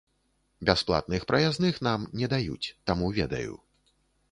Бясплатных праязных нам не даюць, таму ведаю.